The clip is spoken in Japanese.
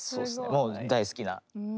もう大好きな。